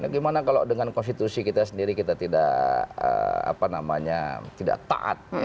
gimana kalau dengan konstitusi kita sendiri kita tidak apa namanya tidak taat